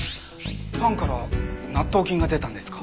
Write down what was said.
パンから納豆菌が出たんですか？